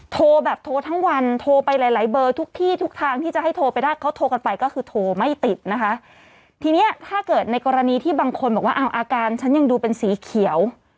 โทรแบบโทรทั้งวันโทรไปหลายเบอร์ทุกที่ทุกทางที่จะให้โทรไปได้